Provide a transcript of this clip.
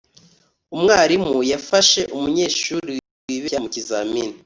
umwarimu yafashe umunyeshuri wibeshya mu kizamini